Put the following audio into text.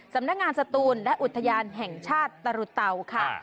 สำนักงานสตูนและอุทยานแห่งชาติตรุเตาค่ะ